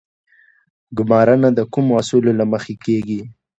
ګمارنه د کومو اصولو له مخې کیږي؟